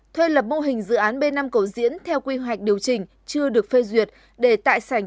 thuê lập mô hình dự án b năm cầu diễn theo quy hoạch điều chỉnh chưa được phê duyệt để tại sảnh